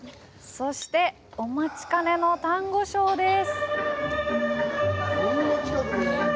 そして、お待ちかねのタンゴショーです！